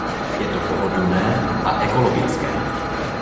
Je to pohodlné a ekologické.